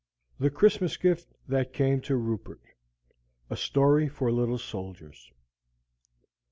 THE CHRISTMAS GIFT THAT CAME TO RUPERT. A STORY FOR LITTLE SOLDIERS.